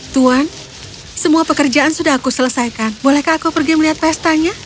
tuan semua pekerjaan sudah aku selesaikan bolehkah aku pergi melihat pestanya